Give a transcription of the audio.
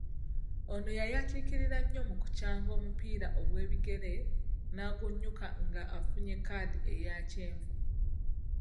Ono yayatiikirira nnyo mu kukyanga omupiira ogw’ebigere n’agunnyuka nga afunye kkaadi eya kyenvu.